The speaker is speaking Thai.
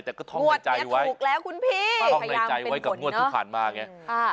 แต่ก็ท่องในใจไว้ถูกแล้วคุณพี่ก็ต้องในใจไว้กับงวดที่ผ่านมาไง